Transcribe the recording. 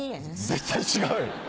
絶対違うよ。